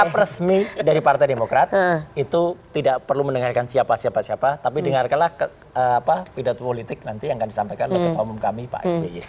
sikap resmi dari partai demokrat itu tidak perlu mendengarkan siapa siapa siapa tapi dengarkanlah pidato politik nanti yang akan disampaikan oleh ketua umum kami pak sby